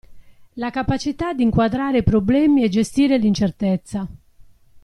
La capacità di inquadrare i problemi e gestire l'incertezza.